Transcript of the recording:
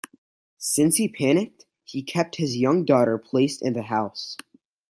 Since he panicked, he kept his young daughter placed in the house.